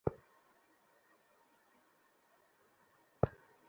একপর্যায়ে তারা রান্নাঘরে রশিতে ঝুলন্ত অবস্থায় কৃষ্ণা রাণীর লাশ দেখতে পায়।